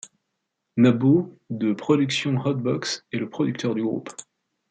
Nabo, de Productions Hot-Box, est le producteur du groupe.